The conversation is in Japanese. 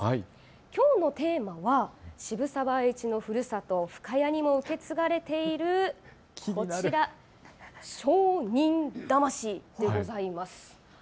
きょうのテーマは渋沢栄一のふるさと、深谷にも受け継がれているこちら、商人魂でございます。